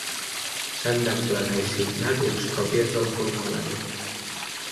S'han d'emplenar i signar dues còpies del formulari.